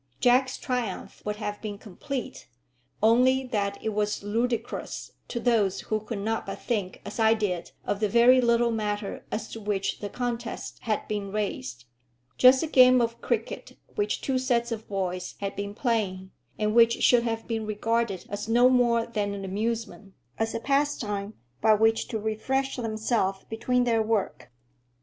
Jack's triumph would have been complete, only that it was ludicrous to those who could not but think, as I did, of the very little matter as to which the contest had been raised; just a game of cricket which two sets of boys had been playing, and which should have been regarded as no more than an amusement, as a pastime, by which to refresh themselves between their work.